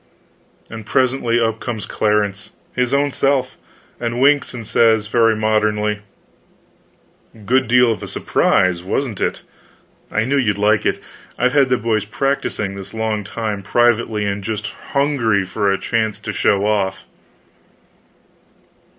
And presently up comes Clarence, his own self! and winks, and says, very modernly: "Good deal of a surprise, wasn't it? I knew you'd like it. I've had the boys practicing this long time, privately; and just hungry for a chance to show off."